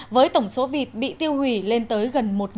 với tổng số vịt bị tiêu hủy lên tới gần một tấn